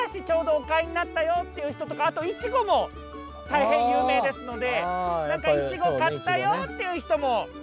ちょうどお買いになったよっていう人とかあといちごも大変有名ですので何かいちご買ったよっていう人も。